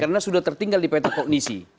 karena sudah tertinggal di peta kognisi